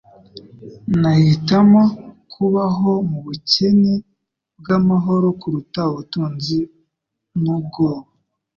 Nahitamo kubaho mubukene bwamahoro kuruta ubutunzi nubwoba.